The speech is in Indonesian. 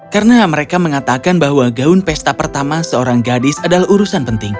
karena mereka mengatakan bahwa gaun pesta pertama seorang gadis adalah urusan penting